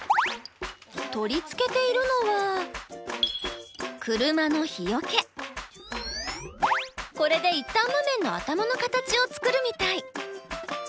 取り付けているのはこれで一反木綿の頭の形を作るみたい。